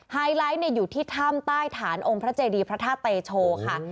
ไฮไลท์อยู่ที่ถ้ำใต้ฐานองค์พระเจดีพระธาตุเตโชค่ะ